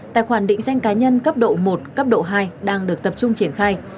tài khoản định danh cá nhân cấp độ một cấp độ hai đang được tập trung triển khai